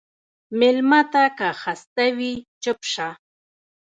مېلمه ته که خسته وي، چپ شه.